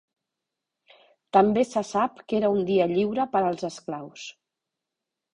També se sap que era un dia lliure per als esclaus.